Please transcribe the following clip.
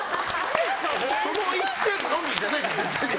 その一点のみじゃないから別に。